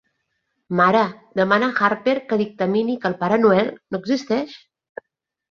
Mara demana a Harper que dictamini que el Pare Noel no existeix.